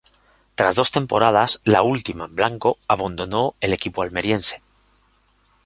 Tras dos temporadas, la última en blanco, abandonó el equipo almeriense.